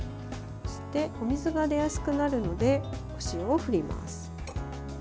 そして、お水が出やすくなるのでお塩を振ります。